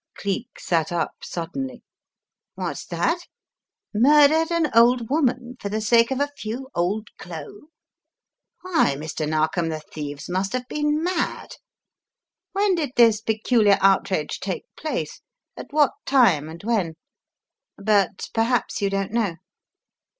Cleek sat up suddenly. "What's that? Mur dered an old woman for the sake of a few 'old do'? Why, Mr. Narkom, the thieves must have been mad. When did this peculiar outrage take place; at what time; and when? But perhaps you don't know."